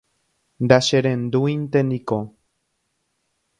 ndacherendúinteniko